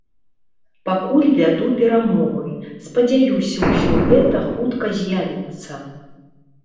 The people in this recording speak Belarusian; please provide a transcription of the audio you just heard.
Пакуль вяду перамовы, спадзяюся ўсё гэта хутка з'явіцца.